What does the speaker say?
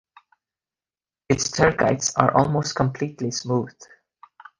Its tergites are almost completely smooth.